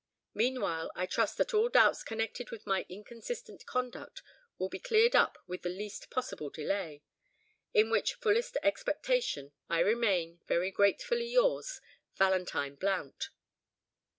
Meanwhile, I trust that all doubts connected with my inconsistent conduct will be cleared up with the least possible delay. "In which fullest expectation, "I remain, "Very gratefully yours, "VALENTINE BLOUNT."